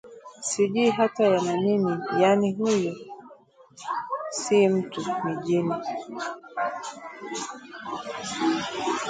sijui hata yana nini yani huyu si mtu ni jini"